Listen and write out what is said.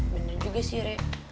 bener juga sih re